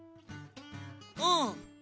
うん。